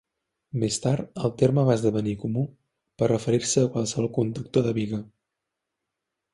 Més tard el terme va esdevenir comú per referir-se a qualsevol conductor de biga.